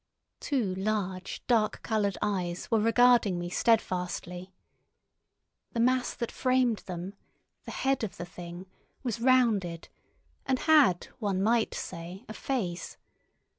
Two large dark coloured eyes were regarding me steadfastly. The mass that framed them, the head of the thing, was rounded, and had, one might say, a face.